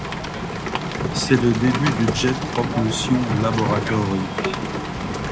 C'est le début du Jet Propulsion Laboratory.